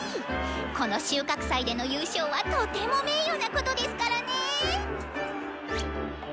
この収穫祭での優勝はとても名誉なことですからね。